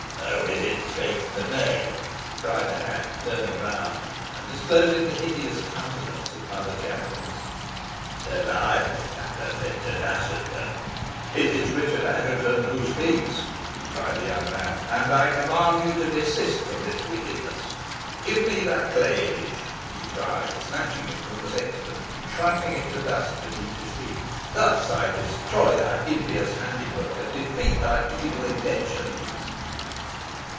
"Who is it speaks to me?" cried the hag, turning round, and disclosing the hideous countenance of Mother Chattox. "The voice is that of Richard Assheton." "It is Richard Assheton who speaks," cried the young man, "and I command you to desist from this wickedness. Give me that clay image," he cried, snatching it from the sexton, and trampling it to dust beneath his feet. "Thus I destroy thy impious handiwork, and defeat thy evil intentions."